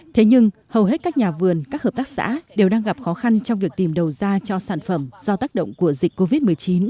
thế nhưng hầu hết các nhà vườn các hợp tác xã đều đang gặp khó khăn trong việc tìm đầu ra cho sản phẩm do tác động của dịch covid một mươi chín